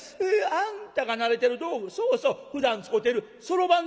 あんたが慣れてる道具そうそうふだん使てるそろばんでやったらええねん」。